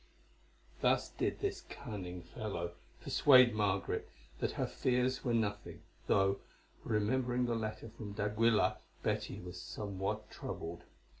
Thus did this cunning fellow persuade Margaret that her fears were nothing, though, remembering the letter from d'Aguilar, Betty was somewhat troubled.